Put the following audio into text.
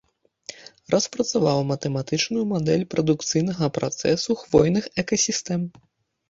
Распрацаваў матэматычную мадэль прадукцыйнага працэсу хвойных экасістэм.